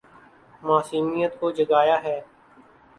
معصومیت کو جگایا ہے